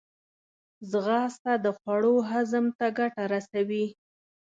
ځغاسته د خوړو هضم ته ګټه رسوي